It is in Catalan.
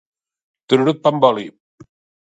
Tururut pa amb oli!